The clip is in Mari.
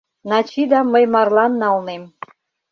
Начидам мый марлан налнем...